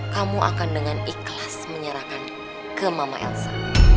kamu akan dengan ikhlas menyerahkan ke mama elsa